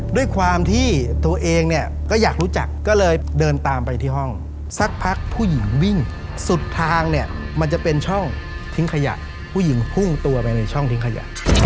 ด้วยความที่ตัวเองเนี่ยก็อยากรู้จักก็เลยเดินตามไปที่ห้องสักพักผู้หญิงวิ่งสุดทางเนี่ยมันจะเป็นช่องทิ้งขยะผู้หญิงพุ่งตัวไปในช่องทิ้งขยะ